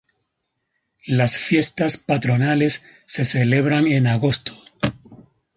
Las fiestas patronales se celebran en agosto.